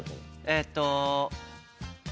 えっと。